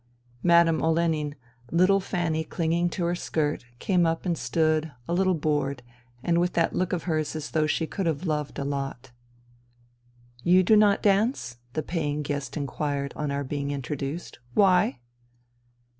Madame Olenin, little Fanny clinging to her skirt, came up and stood, a little bored, and with that look of hers as though she could have loved a lot. *' You do not dance ?" the paying guest inquired on our being introduced. " Why